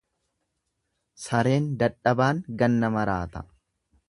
Sareen dadhabaan ganna maraata.